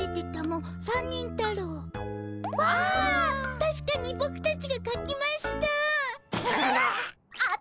たしかにボクたちが書きました。